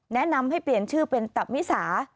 แนะนำให้เปลี่ยนชื่อเป็นตับมิสา